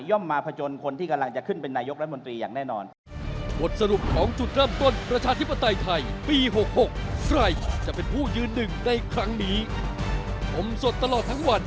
มาผจญคนที่กำลังจะขึ้นเป็นนายกรัฐมนตรีอย่างแน่นอน